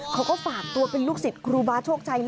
เขาก็ฝากตัวเป็นลูกศิษย์ครูบาโชคชัย